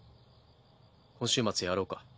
今週末やろうか？